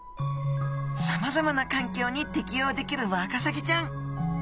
さまざまな環境に適応できるワカサギちゃん。